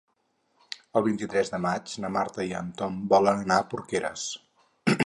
El vint-i-tres de maig na Marta i en Tom volen anar a Porqueres.